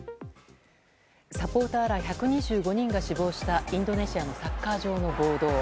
サポーターら１２５人が死亡したインドネシアのサッカー場の暴動。